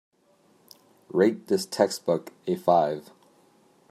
Rate this textbook a five